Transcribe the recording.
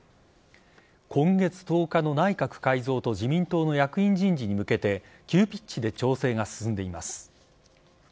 今月１０日の内閣改造と自民党の役員人事に向けて急ピッチで調整が進んでいます。